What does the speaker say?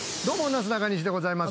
なすなかにしでございます。